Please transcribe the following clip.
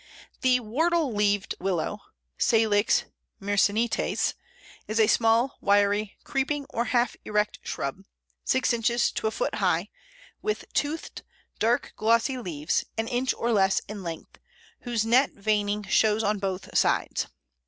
The Whortle leaved Willow (Salix myrsinites) is a small, wiry, creeping, or half erect shrub, six inches to a foot high, with toothed, dark glossy leaves, an inch or less in length, whose net veining shows on both sides.